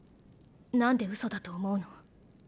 何で嘘だと思うの？